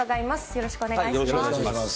よろしくお願いします。